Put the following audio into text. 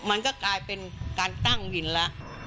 มันก็กลายเป็นการตั้งวินแล้ว